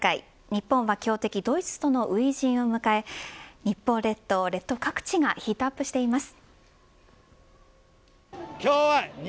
日本は強敵ドイツとの初陣を迎え日本列島、列島各地がヒートアップしています。